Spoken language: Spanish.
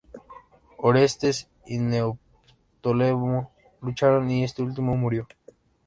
Orestes y Neoptólemo lucharon, y este último murió.